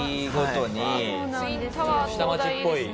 下町っぽい。